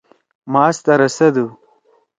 ماس ترسُدُود۔